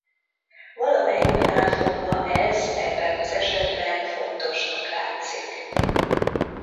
Valamely oknál fogva ez ebben az esetben fontosnak látszik.